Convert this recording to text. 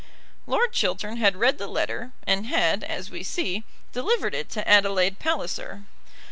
Lord Chiltern had read the letter, and had, as we see, delivered it to Adelaide Palliser.